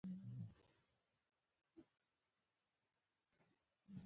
د لرغونو لاس لیکلو کتابونو او فرمانونو د ساتنې لپاره یو ځای دی.